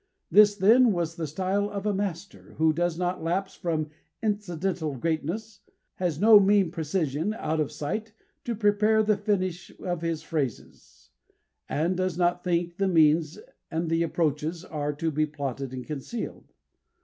This, then, was the style of a master, who does not lapse from "incidental greatness," has no mean precision, out of sight, to prepare the finish of his phrases, and does not think the means and the approaches are to be plotted and concealed.